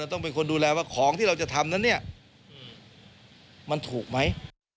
ต้องเป็นคนดูแลว่าของที่เราจะทำนั้นเนี่ยมันถูกไหม